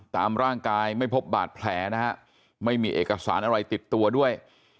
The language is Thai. ตามร่างกายไม่พบบาดแผลนะฮะไม่มีเอกสารอะไรติดตัวด้วย